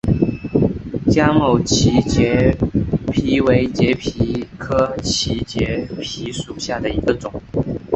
江某畸节蜱为节蜱科畸节蜱属下的一个种。